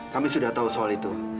kami sudah tahu soal itu